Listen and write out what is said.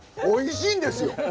おいしいんですよ！